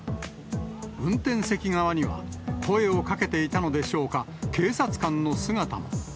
運転席側には、声をかけていたのでしょうか、警察官の姿も。